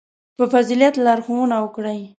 • په فضیلت لارښوونه وکړئ.